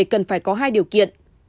cần phải có hai điều kiện